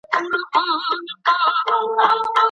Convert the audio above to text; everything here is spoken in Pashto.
ولې کورني شرکتونه خوراکي توکي له هند څخه واردوي؟